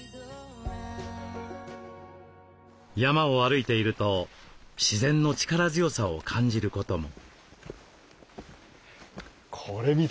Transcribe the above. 山を歩いていると自然の力強さを感じることも。